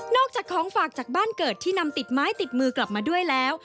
จากของฝากจากบ้านเกิดที่นำติดไม้ติดมือกลับมาด้วยแล้ว